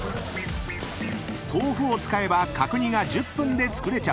［豆腐を使えば角煮が１０分で作れちゃう？］